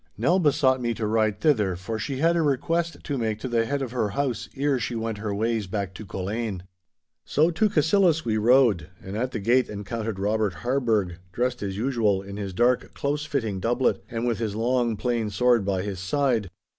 Nell besought me to ride thither, for she had a request to make to the head of her house ere she went her ways back to Culzean. So to Cassillis we rode, and at the gate encountered Robert Harburgh, dressed, as usual, in his dark, close fitting doublet, and with his long, plain sword by his side.